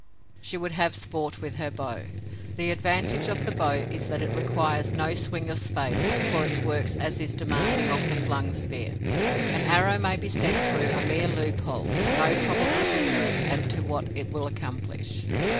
She would have sport with her bow. The advantage of the bow is that it requires no swing of space for its work as is demanded of the flung spear. An arrow may be sent through a mere loophole with no probable demerit as to what it will accomplish.